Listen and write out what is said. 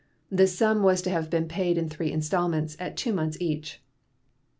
This sum was to have been paid in three installments at two months each.